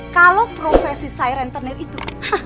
kalau profesi saya rentenir itu